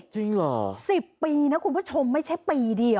จริงเหรอคุณผู้ชม๑๐ปีนะไม่ใช่ปีเดียว